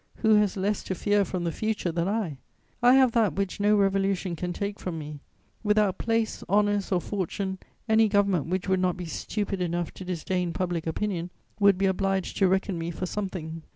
Who has less to fear from the future than I? I have that which no revolution can take from me: without place, honours, or fortune, any government which would not be stupid enough to disdain public opinion would be obliged to reckon me for something.